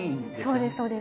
そうですそうです。